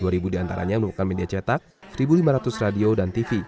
dua ribu diantaranya melakukan media cetak satu lima ratus radio dan tv